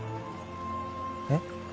えっ？